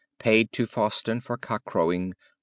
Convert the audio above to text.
paid to Fawston for cock crowing, ivd."